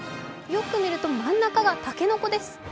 よく見ると真ん中がたけのこです。